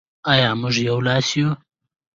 آیا موږ یو لاس یو؟